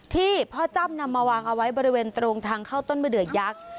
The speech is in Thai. ที่พ่อจ้ำนำมาวางเอาไว้บริเวณตรงทางเข้าต้นมะเดือยักษ์